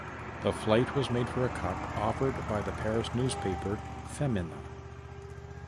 The flight was made for a cup offered by the Paris newspaper Femina.